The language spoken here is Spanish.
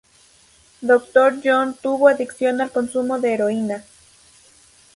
Dr. John tuvo adicción al consumo de heroína.